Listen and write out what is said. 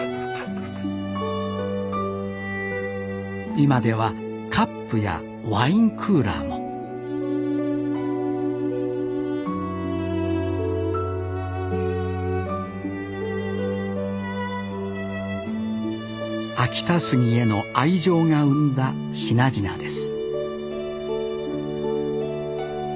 今ではカップやワインクーラーも秋田杉への愛情が生んだ品々です